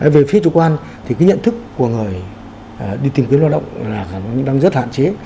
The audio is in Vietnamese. về phía chủ quan thì cái nhận thức của người đi tìm kiếm lao động là đang rất hạn chế